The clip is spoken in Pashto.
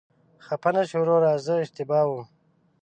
خفه نشې وروره، زه اشتباه شوم.